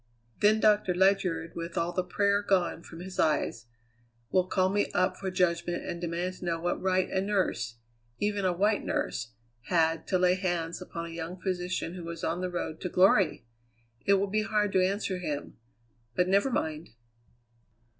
Then Doctor Ledyard, with all the prayer gone from his eyes, will call me up for judgment and demand to know what right a nurse, even a white nurse, had to lay hands upon a young physician who was on the road to glory! It will be hard to answer him; but never mind!"